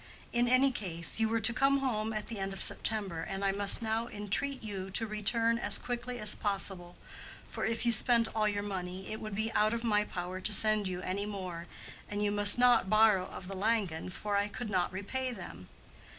In any case, you were to come home at the end of September, and I must now entreat you to return as quickly as possible, for if you spent all your money it would be out of my power to send you any more, and you must not borrow of the Langens, for I could not repay them.